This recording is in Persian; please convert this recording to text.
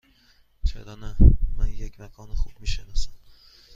چرا نه؟ من یک مکان خوب می شناسم.